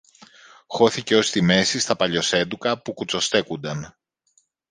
χώθηκε ως τη μέση στα παλιοσέντουκα που κουτσοστέκουνταν